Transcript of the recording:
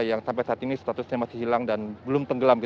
yang sampai saat ini statusnya masih hilang dan belum tenggelam